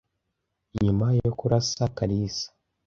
nyuma yo kurasa Kalisa